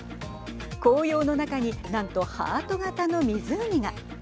紅葉の中になんとハート型の湖が。